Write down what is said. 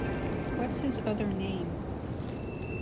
What’s his other name?